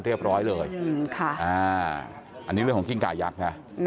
เรียบร้อยเลยอันนี้เลยของกิ้งกะยักษ์